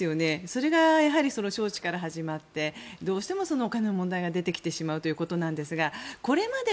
それが、招致から始まってどうしてもお金の問題が出てきてしまうということなんですがこれまで、